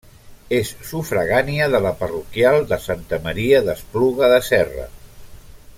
És sufragània de la parroquial de Santa Maria d'Espluga de Serra.